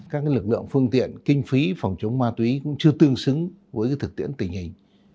các lực lượng phương tiện kinh phí phòng chống ma túy cũng chưa tương xứng với thực tiễn tình hình